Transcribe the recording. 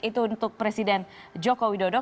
itu untuk presiden joko widodo